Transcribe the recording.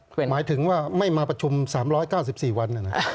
หมายถึงว่าไม่มาประชุม๓๙๔วัน